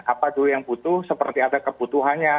apa dulu yang butuh seperti ada kebutuhannya